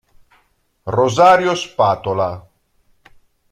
Rosario Spatola